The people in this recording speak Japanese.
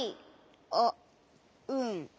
あっうん。